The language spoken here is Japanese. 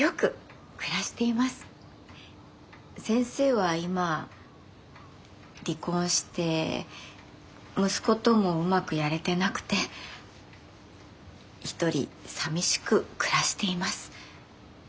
先生は今離婚して息子ともうまくやれてなくて一人寂しく暮らしてます。